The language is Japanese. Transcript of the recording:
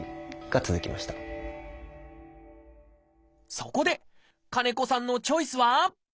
そこで金子さんのチョイスは？